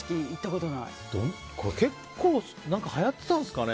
結構、はやってたんですかね。